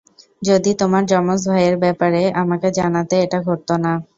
যদি তোমার জমজ ভাইয়ের ব্যপারে আমাকে জানাতে, এটা ঘটত না!